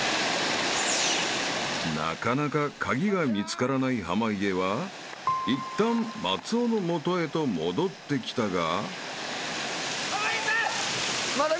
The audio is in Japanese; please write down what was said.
［なかなか鍵が見つからない濱家はいったん松尾の元へと戻ってきたが］